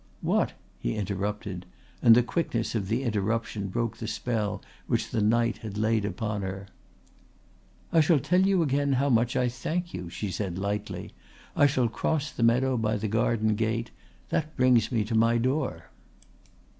"What?" he interrupted, and the quickness of the interruption broke the spell which the night had laid upon her. "I shall tell you again how much I thank you," she said lightly. "I shall cross the meadow by the garden gate. That brings me to my door."